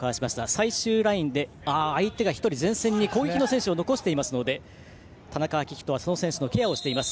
最終ラインで相手が１人、前線に攻撃の選手を残しているので田中章仁は、その選手のケアをしています。